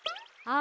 あ！